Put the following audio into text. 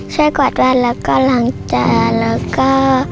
ช่วยกวาดแวดนะก็หลังจ่ายและก็